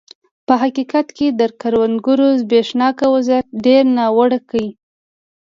په حقیقت کې د کروندګرو زبېښاک وضعیت ډېر ناوړه کړ.